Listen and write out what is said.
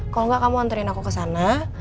kalo enggak kamu anterin aku ke sana